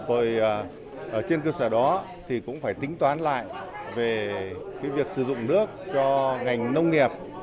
rồi ở trên cơ sở đó thì cũng phải tính toán lại về cái việc sử dụng nước cho ngành nông nghiệp